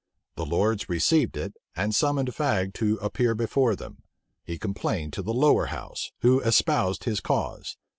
The lords received it, and summoned Fag to appear before them. He complained to the lower house, who espoused his cause.